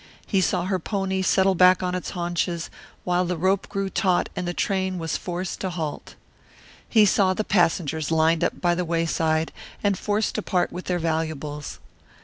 He saw her pony settle back on its haunches while the rope grew taut and the train was forced to a halt. He saw the passengers lined up by the wayside and forced to part with their valuables.